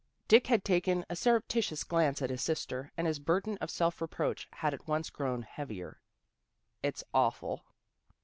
Dick had taken a surreptitious glance at his sister, and his burden of self reproach had at once grown heavier. " It's awful."